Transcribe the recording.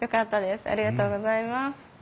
ありがとうございます。